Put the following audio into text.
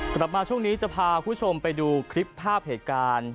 กลับมาช่วงนี้จะพาคุณผู้ชมไปดูคลิปภาพเหตุการณ์